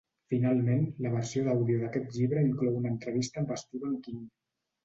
Finalment, la versió d'àudio d'aquest llibre inclou una entrevista amb Stephen King.